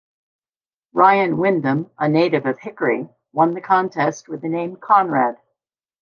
Ryan Windam, a native of Hickory, won the contest with the name Conrad.